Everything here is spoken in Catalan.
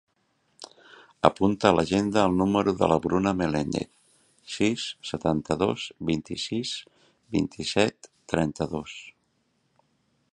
Apunta a l'agenda el número de la Bruna Melendez: sis, setanta-dos, vint-i-sis, vint-i-set, trenta-dos.